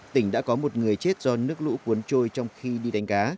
tỉnh đã có một người chết do nước lũ cuốn trôi trong khi đi đánh cá